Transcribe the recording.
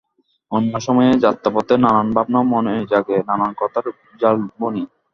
অন্য সময়ে যাত্রাপথে নানান ভাবনা মনে জাগে, নানান কথার জাল বুনি।